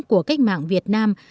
của cách mạng việt nam